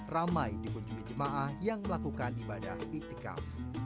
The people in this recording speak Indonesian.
ramai dikunjungi jemaah yang melakukan ibadah itikaf